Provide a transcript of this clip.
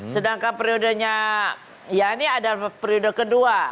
sedangkan periodenya yani adalah periode kedua